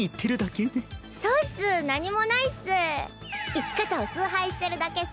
生き方を崇拝してるだけっス。